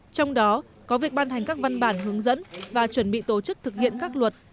trong đó có việc ban hành các văn bản hướng dẫn và chuẩn bị tổ chức thực hiện các luật